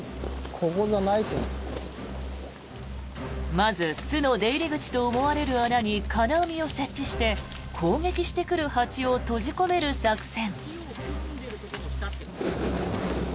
まず巣の出入り口と思われる穴に金網を設置して攻撃する蜂を閉じ込める作戦。